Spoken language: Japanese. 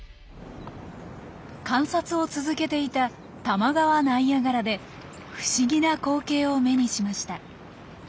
観察を続けていた多摩川ナイアガラで不思議な光景を目にしました。